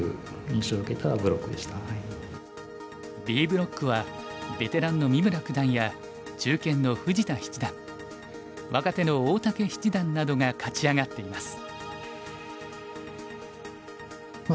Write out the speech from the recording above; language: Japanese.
Ｂブロックはベテランの三村九段や中堅の富士田七段若手の大竹七段などが勝ち上がっています。